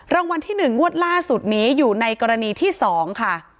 รางวัลที่๑งวดล่าสุดนี้อยู่ในกรณีที่๒ค่ะ